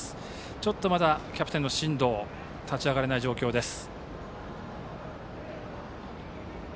まだキャプテンの進藤が立ち上がれない状況です。